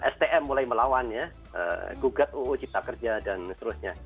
stm mulai melawan ya gugat uu cipta kerja dan seterusnya